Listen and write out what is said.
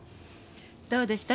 どうでした？